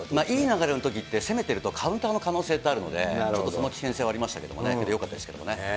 いい流れのときって、攻めてるとカウンターの可能性ってあるので、ちょっとその危険性はありましたけどね、けど、よかったですけどね。